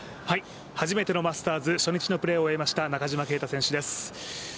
初めてのマスターズ初日のプレーを終えました中島啓太選手です。